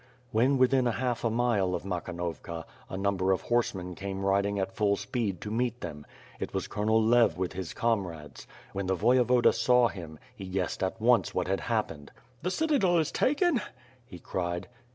When within a half a mile of Makhnovka, a number of horsemen came riding at full speed to meet them. It was Colonel Lev with his comrades. When the Voyevoda saw him, he guessed at once what had happened. "The citadel is taken?" he cried.